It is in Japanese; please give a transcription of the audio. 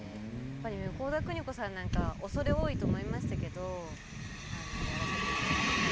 向田邦子さんなんか恐れ多いと思いましたけどやらせていただきました。